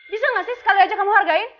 bisa gak sih sekali aja kamu hargain